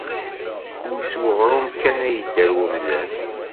Ur s weɣrum kan ay yedder wemdan.